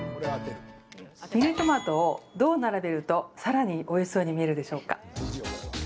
ミニトマトをどう並べるとさらにおいしそうに見えるでしょうか？